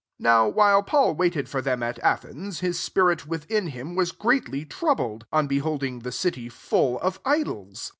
16 NOW while Paul waited for them at Athens, his spirit within him was greatly troubled, on beholding the city full of idols.